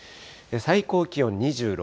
最高気温２６度。